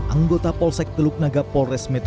anggota polsek teluk naga polres metro